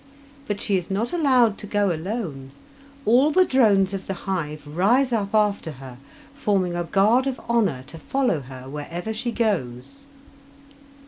But she is not allowed to go alone. All the drones of the hive rise up after her, forming a guard of honour to follow her wherever she goes.